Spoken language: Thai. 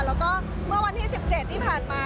แล้วก็เมื่อวันที่๑๗ที่ผ่านมา